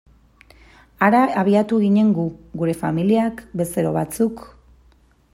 Hara abiatu ginen gu, gure familiak, bezero batzuk...